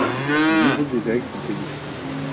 Des nouveaux évêques sont élus.